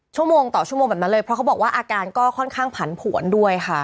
ชั่วโมงต่อชั่วโมงแบบนั้นเลยเพราะเขาบอกว่าอาการก็ค่อนข้างผันผวนด้วยค่ะ